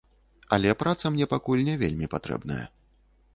Але праца мне пакуль не вельмі патрэбная.